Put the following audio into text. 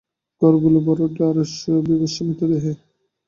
ঘরগুলো ভরে উঠল আড়ষ্ট বীভৎস মৃতদেহে।